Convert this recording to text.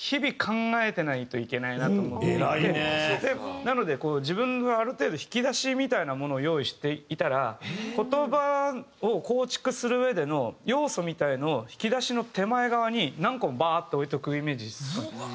なのでこう自分がある程度引き出しみたいなものを用意していたら言葉を構築するうえでの要素みたいのを引き出しの手前側に何個もバーッて置いておくイメージですかね。